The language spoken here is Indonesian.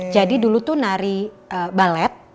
jadi dulu tuh nari ballet